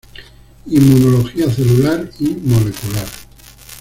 Inmunología Celular y Molecular.